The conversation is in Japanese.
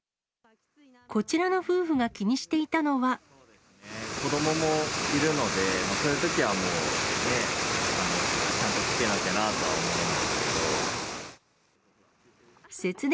こちらの夫婦が気にしていた子どももいるので、そういうときはもう、ちゃんとつけなきゃなと思うんですけど。